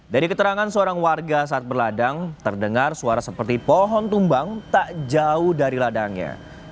dari keterangan seorang warga saat berladang terdengar suara seperti pohon tumbang tak jauh dari ladangnya